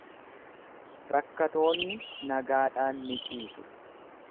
Rakkatoonni nagaadhaan ni ciisu.